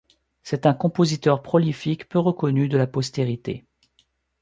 C'est un compositeur prolifique peu reconnu de la postérité.